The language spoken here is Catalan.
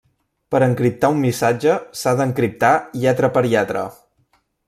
Per encriptar un missatge s’ha d'encriptar lletra per lletra.